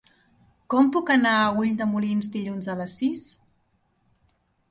Com puc anar a Ulldemolins dilluns a les sis?